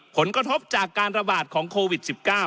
ผลกระทบจากการระบาดของโควิด๑๙